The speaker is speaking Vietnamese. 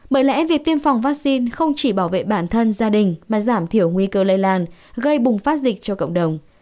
bởi lẽ việc tiêm phòng vaccine không chỉ bảo vệ bản thân gia đình mà giảm thiểu nguy cơ lây lan gây bùng phát dịch cho cộng đồng